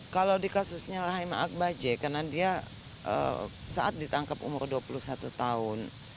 kalau di kasusnya rahim akbaje karena dia saat ditangkap umur dua puluh satu tahun